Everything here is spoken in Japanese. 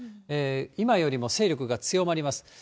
今よりも勢力が強まります。